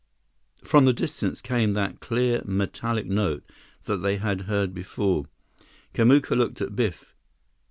From the distance came that clear metallic note that they had heard before. Kamuka looked at Biff.